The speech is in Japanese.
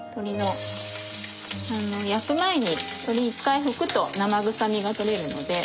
焼く前に鶏一回拭くと生臭みが取れるので。